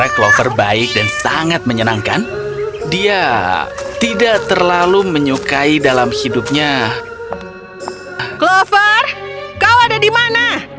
clover kau ada di mana